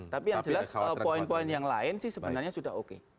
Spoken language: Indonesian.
tapi yang jelas poin poin yang lain sih sebenarnya sudah oke